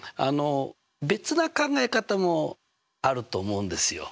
別な考え方もあると思うんですよ。